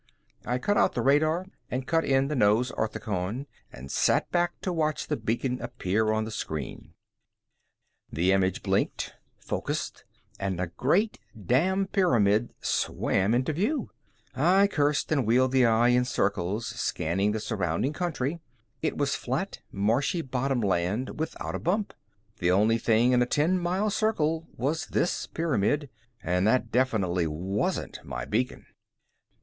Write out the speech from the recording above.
I cut out the radar and cut in the nose orthicon and sat back to watch the beacon appear on the screen. The image blinked, focused and a great damn pyramid swam into view. I cursed and wheeled the eye in circles, scanning the surrounding country. It was flat, marshy bottom land without a bump. The only thing in a ten mile circle was this pyramid and that definitely wasn't my beacon.